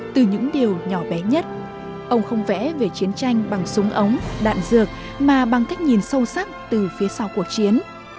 từ những điều nhỏ bé nhất ông không vẽ về chiến tranh bằng súng ống đạn dược mà bằng cách nhìn sâu sắc từ phía sau cuộc chiến